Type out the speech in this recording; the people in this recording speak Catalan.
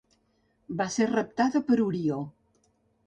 Va ser raptada per Orió.